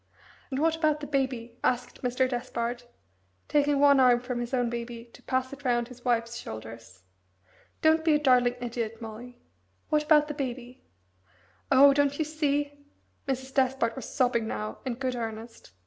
"And what about the Baby?" asked Mr. Despard, taking one arm from his own baby to pass it round his wife's shoulders. "Don't be a darling idiot, Molly. What about the Baby?" "Oh don't you see?" Mrs. Despard was sobbing now in good earnest.